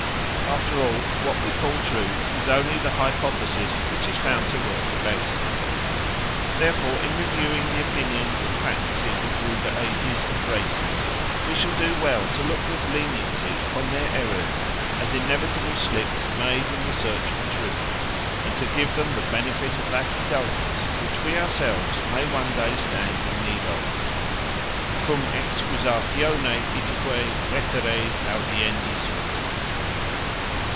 After all, what we call truth is only the hypothesis which is found to work best. Therefore in reviewing the opinions and practices of ruder ages and races we shall do well to look with leniency upon their errors as inevitable slips made in the search for truth, and to give them the benefit of that indulgence which we ourselves may one day stand in need of: _cum excusatione itaque veteres audiendi sunt.